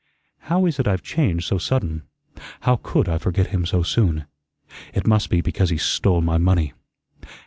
How is it I've changed so sudden? How COULD I forget him so soon? It must be because he stole my money.